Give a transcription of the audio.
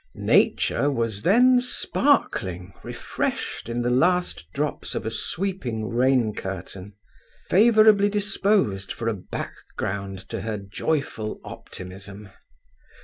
Nature was then sparkling refreshed in the last drops of a sweeping rain curtain, favourably disposed for a background to her joyful optimism.